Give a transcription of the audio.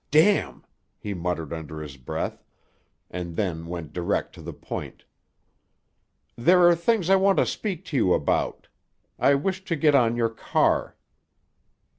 "Damn!" he muttered beneath his breath; and then went direct to the point. "There are things I want to speak to you about. I wish to get on your car."